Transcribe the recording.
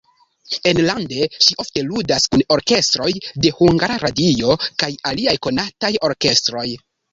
Enlande ŝi ofte ludas kun orkestroj de Hungara Radio kaj aliaj konataj orkestroj.